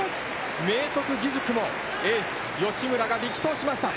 明徳義塾も、エース吉村が力投しました。